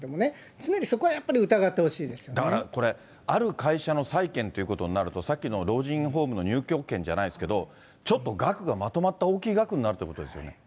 常にそこはやっぱり疑ってほしいだからこれ、ある会社の債券っていうことになると、さっきの老人ホームの入居権じゃないですけど、ちょっと額がまとまった大きい額になるということですよね。